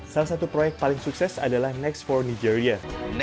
salah satu proyek paling sukses adalah next for nigeria